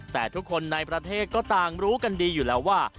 แต่ทุกคนในประเทศก็ต่างรู้กันดีอยู่แล้วว่า